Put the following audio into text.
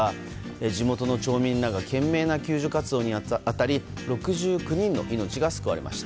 地元の町民らが懸命な救助活動に当たり６９人の命が救われました。